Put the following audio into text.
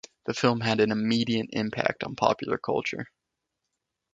The film had an immediate impact on popular culture.